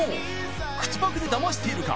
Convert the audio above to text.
口パクでダマしているか